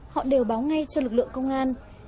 họ đều báo ngay cho lực lượng công an